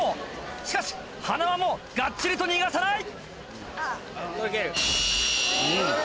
しかし塙もがっちりと逃がさない。